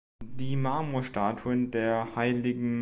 Die Marmorstatuen der hll.